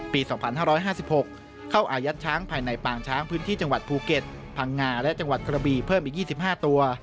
ปี๒๕๕๖เข้าอายัดช้างภายในปางช้างพื้นที่จังหวัดภูเก็ตพังงาและจังหวัดกระบีเพิ่มอีก๒๕ตัว